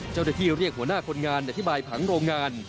เจ้าหน้าที่เรียกหัวหน้าคนงานอธิบายผังโรงงาน